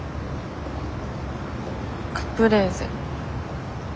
カプレーゼ。